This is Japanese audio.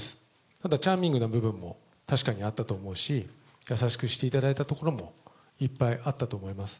ただ、チャーミングな部分も確かにあったと思うし、優しくしていただいたところもいっぱいあったと思います。